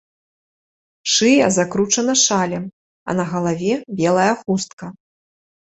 Шыя закручана шалем, а на галаве белая хустка.